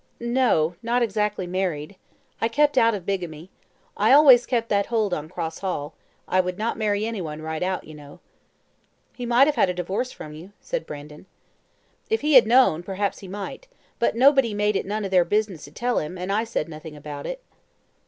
"No, not exactly married. I kept out of bigamy. I always kept that hold on Cross Hall; I would not marry any one right out, you know." "He might have had a divorce from you," said Brandon. "If he had known, perhaps he might; but nobody made it none of their business to tell him, and I said nothing about it."